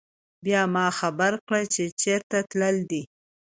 بيا ما خبر کړه چې چرته تلل دي